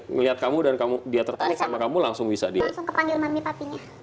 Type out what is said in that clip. ngelihat kamu dan kamu dia tertarik sama kamu langsung bisa dia langsung kepanggir mami papinya